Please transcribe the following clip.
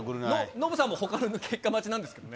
ノブさんもほかの結果待ちなんですけどね。